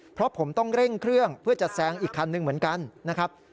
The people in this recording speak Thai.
เพราะผมต้องเร่งเครื่องเพื่อจะแซงอีกคันหนึ่งเหมือนกันนะครับ